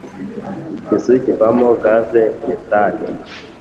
ikizu kivamo gaz metane